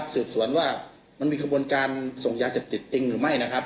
สืบสวนว่ามันมีขบวนการส่งยาเสพติดจริงหรือไม่นะครับ